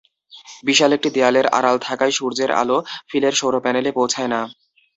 বিশাল একটি দেয়ালের আড়াল থাকায় সূর্যের আলো ফিলের সৌর প্যানেলে পৌঁছায় না।